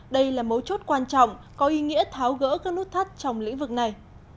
đây là mấu chốt quan trọng có ý nghĩa tháo gỡ các nút thắt trong lĩnh vực này